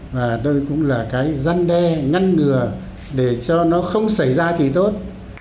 và đây cũng là cái răn đe ngăn ngừa để cho nó không xảy ra thì tốt